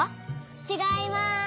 ちがいます。